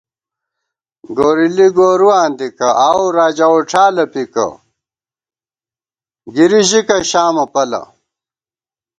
گورېلی گورُواں دِکہ ، آؤو راجا ووڄالہ پِکہ گِری ژِکہ شامہ پَلہ